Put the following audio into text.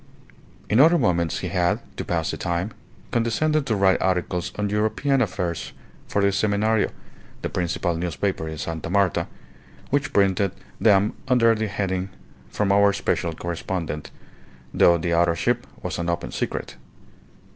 In other moments he had, to pass the time, condescended to write articles on European affairs for the Semenario, the principal newspaper in Sta. Marta, which printed them under the heading "From our special correspondent," though the authorship was an open secret.